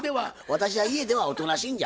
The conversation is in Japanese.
私は家ではおとなしいんじゃ。